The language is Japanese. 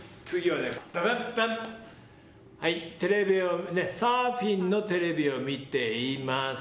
次は、サーフィンのテレビを見ています。